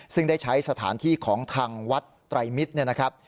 ซึ่งได้ใช้สถานที่ของทางวัดไตรมิตรเนี่ยนะครับ